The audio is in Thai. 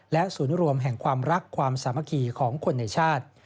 และศูนย์รวมแห่งความรักความสามัคคีของคนในชาติ